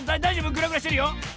グラグラしてるよ。